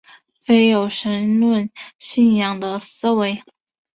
非有神论信仰的思维。